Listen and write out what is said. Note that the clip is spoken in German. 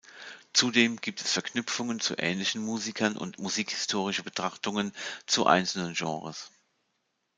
Zudem gibt es Verknüpfungen zu ähnlichen Musikern und musikhistorische Betrachtungen zu einzelnen Genres.